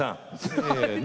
せの。